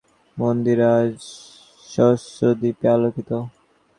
মন্দির আজ সহস্র দীপে আলোকিত।